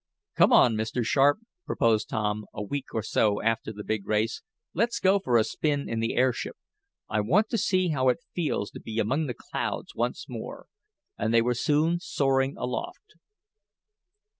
"Come on, Mr. Sharp," proposed Tom, a week or so after the big race, "let's go for a spin in the airship. I want to see how it feels to be among the clouds once more," and they were soon soaring aloft.